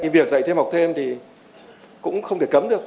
việc dạy thêm học thêm thì cũng không thể cấm được